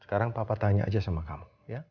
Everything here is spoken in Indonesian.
sekarang bapak tanya saja sama kamu